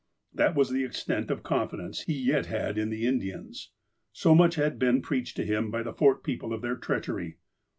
That was the extent of confidence he yet had in the Indians. So much had been preached to him by the Fort people of their treachery.